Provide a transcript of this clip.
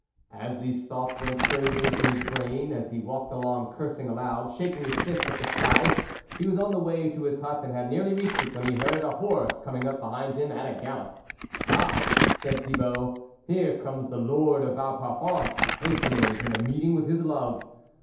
As these thoughts went surging through his brain, as he walked along cursing aloud, shaking his fist at the sky, he was on the way to his hut and had nearly reached it, when he heard a horse coming up behind him at a gallop. 44 Ah !" said Thibault, 4< here comes the Lord of Vauparfond, hastening to the meeting with his love.